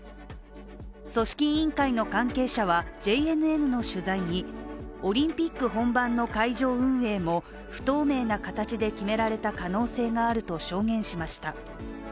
組織委員会の関係者はＪＮＮの取材に、オリンピック本番の会場運営も不透明な形で決められた可能性があると証言しました。